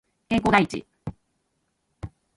健康第一